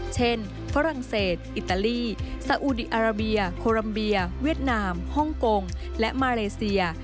ฝรั่งเศสอิตาลีซาอุดีอาราเบียโครัมเบียเวียดนามฮ่องกงและมาเลเซีย